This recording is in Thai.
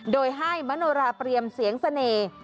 โดยให้มโนราเปรียมเสียงเสน่ห์